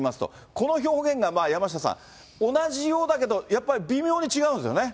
この表現が、山下さん、同じようだけど、やっぱり微妙に違うんですよね。